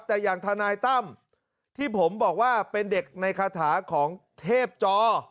แต่อย่างทนายตั้มที่ผมบอกว่าเป็นเด็กในคาถาของเทพจอ